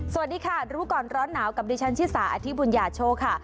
สวัสดีค่ะรู้ก่อนร้อนหนาวกับดิฉันชิสาอธิบุญญาโชคค่ะ